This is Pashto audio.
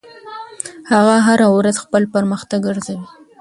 هغه هره ورځ خپل پرمختګ ارزوي.